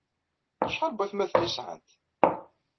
Acḥal n waytmaten ay sɛant?